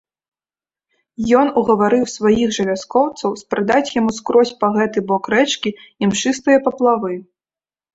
Ён угаварыў сваіх жа вяскоўцаў спрадаць яму скрозь па гэты бок рэчкі імшыстыя паплавы.